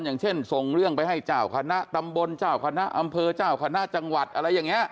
อย่างเช่นส่งเรื่องไปให้เจ้าคณะตำบลเจ้าคณะอำเภอเจ้าคณะจังหวัดอะไรอย่างนี้